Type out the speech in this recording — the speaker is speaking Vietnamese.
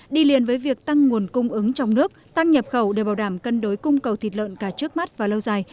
đi liền với việc tăng nguồn cung ứng trong nước tăng nhập khẩu để bảo đảm cân đối cung cầu thịt lợn cả trước mắt và lâu dài